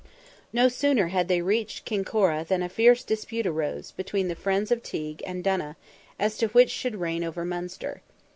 No sooner had they reached Kinkora, than a fierce dispute arose, between the friends of Teigue and Donogh, as to which should reign over Munster.